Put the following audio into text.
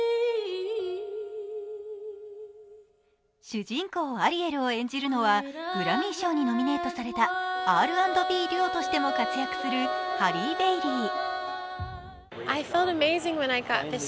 主人公アリエルを演じるのはグラミー賞にノミネートされたＲ＆Ｂデュオとしても活躍するハリー・ベイリー。